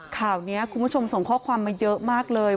ข่าวนี้คุณผู้ชมส่งข้อความมาเยอะมากเลย